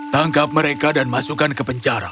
tangkap mereka dan masukkan ke penjara